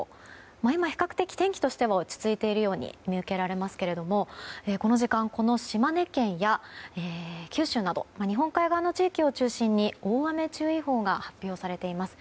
今比較的、天気としては落ち着いているように見受けられますけれどもこの時間、この島根県や九州など日本海側の地域を中心に大雨注意報が発表されています。